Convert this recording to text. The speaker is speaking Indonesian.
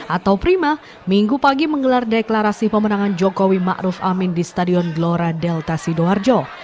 atau prima minggu pagi menggelar deklarasi pemenangan jokowi ⁇ maruf ⁇ amin di stadion glora delta sidoarjo